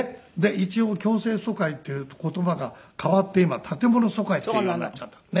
一応強制疎開っていう言葉が変わって今建物疎開っていうようになっちゃった。